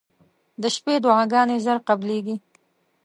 • د شپې دعاګانې زر قبلېږي.